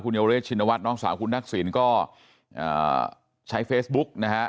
คุณเยาวิทย์ชินวัตรน้องสาวคุณนักศีลก็ใช้เฟซบุ๊กนะฮะ